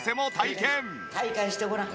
体感してごらん。